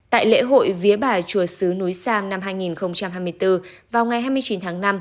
tại lễ hội vía bà chùa sứ núi sam năm hai nghìn hai mươi bốn vào ngày hai mươi chín tháng năm